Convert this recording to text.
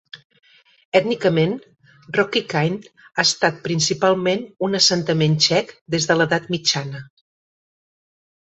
Ètnicament, Rokycany ha estat principalment un assentament txec des de l'Edat Mitjana.